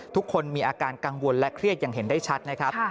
ทุกคนมีอาการกังวลและเครียดอย่างเห็นได้ชัดนะครับ